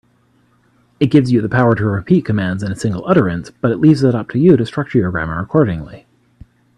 It gives you the power to repeat commands in a single utterance, but leaves it up to you structure your grammar accordingly.